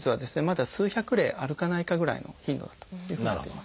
まだ数百例あるかないかぐらいの頻度だというふうになっています。